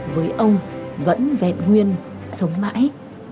với ông vẫn vẹn nguyên sống mãi